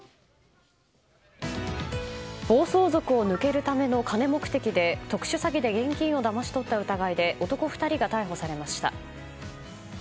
暴走族を抜けるための金目的で特殊詐欺で現金をだまし取った疑いで男２人が逮捕されました。